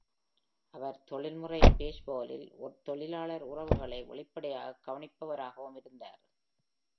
அவர் தொழில்முறை பேஸ்பாலில் தொழிலாளர் உறவுகளை வெளிப்படையாகக் கவனிப்பவராகவும் இருந்தார்.